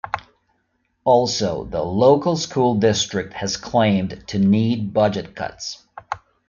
Also, the local school district has claimed to need budget cuts.